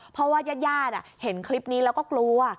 เพราะว่าญาติเห็นคลิปนี้แล้วก็กลัว